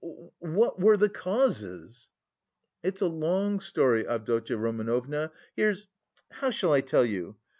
"What... were the causes?" "It's a long story, Avdotya Romanovna. Here's... how shall I tell you?